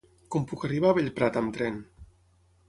Com puc arribar a Bellprat amb tren?